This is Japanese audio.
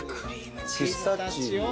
ピスタチオ。